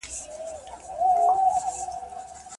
هغې وویل دا واکسین د سرطان د مخنیوي لپاره مهم دی.